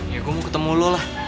ya gue mau ketemu lo lah